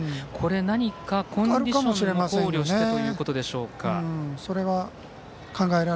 何かコンディションも考慮してということでしょうか。